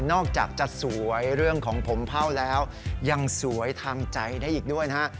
อกจากจะสวยเรื่องของผมเผ่าแล้วยังสวยทางใจได้อีกด้วยนะฮะ